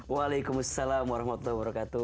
waalaikumsalam warahmatullahi wabarakatuh